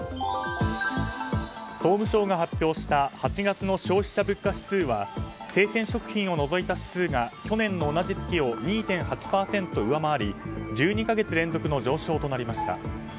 総務省が発表した８月の消費者物価指数は生鮮食品を除いた指数が去年の同じ月を２．８％上回り１２か月連続の上昇となりました。